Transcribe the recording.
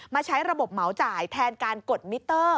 ใช้ระบบเหมาจ่ายแทนการกดมิเตอร์